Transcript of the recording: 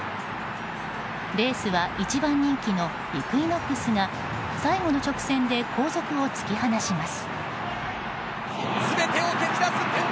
レースは一番人気のイクイノックスが最後の直線で後続を突き放します。